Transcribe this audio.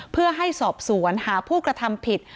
เพื่อให้สอบสวนหาผู้กระทำผิด